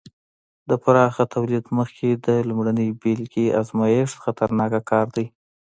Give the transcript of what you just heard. د پراخه تولید مخکې د لومړنۍ بېلګې ازمېښت خطرناک کار دی.